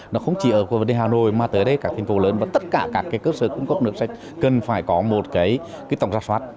nó không chỉ ở vấn đề hà nội mà tới đây các thành phố lớn và tất cả các cơ sở cung cấp nước sạch cần phải có một cái tổng ra soát